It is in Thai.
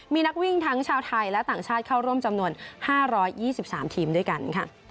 มีนักวิ่งทั้งชาวไทยและต่างชาติเข้าร่วมจำนวน๕๒๓ทีมด้วยกันค่ะ